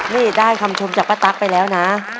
นี่ได้คำชมจากป้าตั๊กไปแล้วนะ